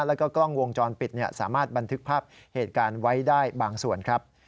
แล้วก็กล้องวงจรปิดสามารถบันทึกภาพเหตุการณ์ไว้ได้บางส่วนครับ